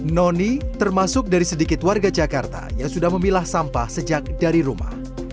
noni termasuk dari sedikit warga jakarta yang sudah memilah sampah sejak dari rumah